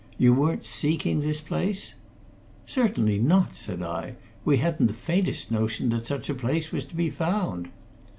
"You weren't seeking this place?" "Certainly not!" said I. "We hadn't the faintest notion that such a place was to be found."